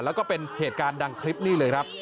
แล้วก็เป็นเหตุการณ์ดังคลิปนี้เลยครับ